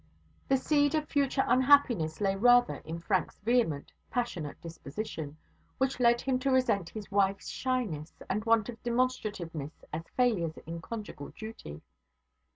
The seed of future unhappiness lay rather in Frank's vehement, passionate disposition, which led him to resent his wife's shyness and want of demonstrativeness as failures in conjugal duty.